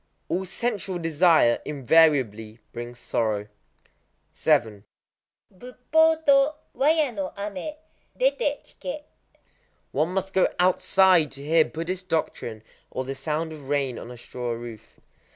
All sensual desire invariably brings sorrow. 7—Buppō to wara ya no amé, dété kiké. One must go outside to hear Buddhist doctrine or the sound of rain on a straw roof.